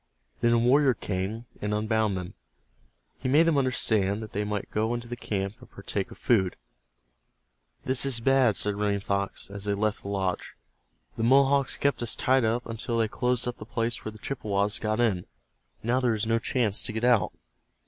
Then a warrior came, and unbound them. He made them understand that they might go into the camp, and partake of food. "This is bad," said Running Fox, as they left the lodge. "The Mohawks kept us tied up until they closed up the place where the Chippewas got in. Now there is no chance to get out."